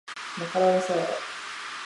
マカロニサラダ